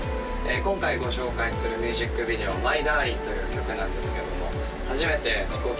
今回ご紹介するミュージックビデオ「ｍｉｄａｒｌｉｎｇ」という曲なんですけども初めて手こぎ